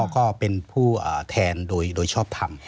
ก็เป็นผู้แทนโดยชอบทำ